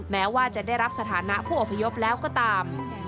แม้ว่าจะได้รับสถานะผู้อพยพแล้วก็ตาม